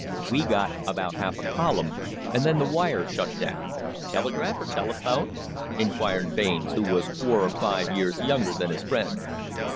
"We got about half a column, and then the wire shut down." "Telegraph or telephone?" inquired Baines, who was four or five years younger than his friend.